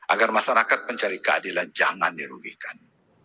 agar masyarakat pencari keadilan jangan dirugikan